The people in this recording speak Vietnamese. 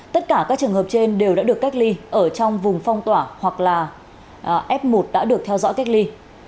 tất cả các trường hợp trên đều đã được cách ly ở trong vùng phong tỏa hoặc là f một đã được theo dõi cách ly